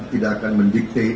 tidak akan mendikte